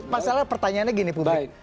masalah pertanyaannya gini publik